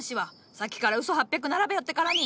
さっきからうそ八百並べよってからに！